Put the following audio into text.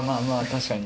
「確かに」！